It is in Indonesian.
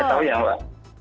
saya tau ya mbak